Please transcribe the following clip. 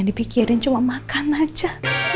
saya udah mirip cuma makan aja